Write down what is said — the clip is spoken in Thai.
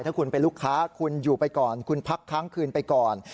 ถ้าคุณเป็นลูกค้าคุณอยู่ไปก่อนคุณพักค้างคืนไปก่อน